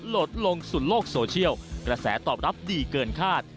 โหลดลงสู่โลกโซเชียลกระแสตอบรับดีเกินคาด